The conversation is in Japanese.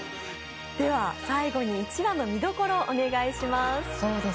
最後に１話の見どころをお願いします。